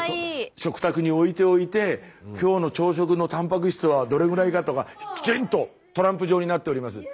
食卓に置いておいて今日の朝食のたんぱく質はどれぐらいかとかきちんとトランプ状になっております。